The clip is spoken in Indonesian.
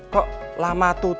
kok lama tuh